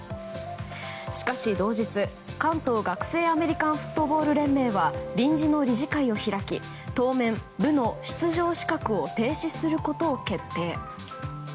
しかし同日、関東学生アメリカンフットボール連盟は臨時の理事会を開き当面、部の出場資格を停止することを決定。